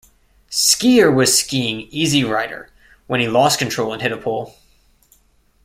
Skier was skiing Easy Rider when he lost control and hit a pole.